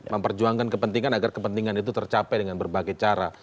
memperjuangkan kepentingan agar kepentingan itu tercapai dengan berbagai cara